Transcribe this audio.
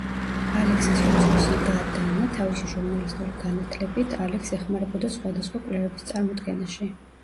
ალექსის უმცროსი და დანა თავისი ჟურნალისტური განათლებით, ალექსს ეხმარებოდა სხვადასხვა კვლევების წარმოდგენაში.